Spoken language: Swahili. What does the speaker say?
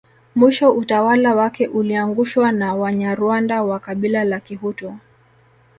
Mwisho utawala wake uliangushwa na Wanyarwanda wa Kabila la Kihutu